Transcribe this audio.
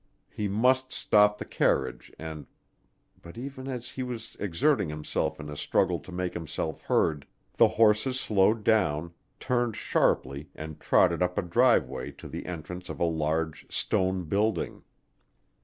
He must stop the carriage and but even as he was exerting himself in a struggle to make himself heard, the horses slowed down, turned sharply and trotted up a driveway to the entrance of a large stone building.